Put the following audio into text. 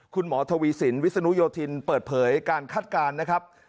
คุณหมอทวีสินวิศนุโยธินเปิดเผยการคาดการณ์นะครับ